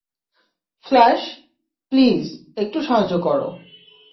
Flush, please, একটু সাহায্য করো।